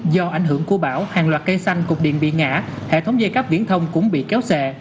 do ảnh hưởng của bão hàng loạt cây xanh cục điện bị ngã hệ thống dây cắp viễn thông cũng bị kéo xẹ